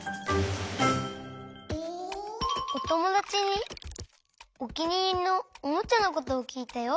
おともだちにおきにいりのおもちゃのことをきいたよ。